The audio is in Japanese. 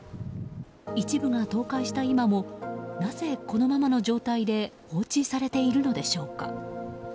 一部が倒壊した今もなぜこのままの状態で放置されているのでしょうか。